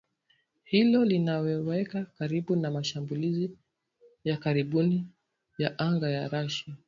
Hilo linawaweka karibu na mashambulizi ya karibuni ya anga ya Russia